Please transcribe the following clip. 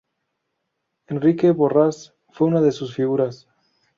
Enrique Borrás fue una de sus figuras.